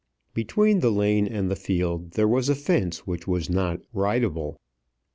Between the lane and the field there was a fence which was not "rideable!"